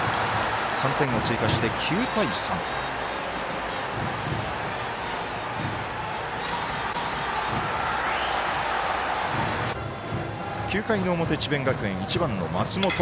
３点を追加して９対３。９回の表、智弁学園１番の松本。